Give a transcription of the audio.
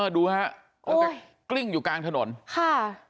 อ๋อดูฮะก็จะกลิ้งอยู่กลางถนนค่ะ